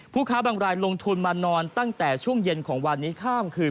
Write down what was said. ค้าบางรายลงทุนมานอนตั้งแต่ช่วงเย็นของวันนี้ข้ามคืน